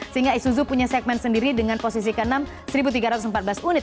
sehingga isuzu punya segmen sendiri dengan posisi ke enam satu tiga ratus empat belas unit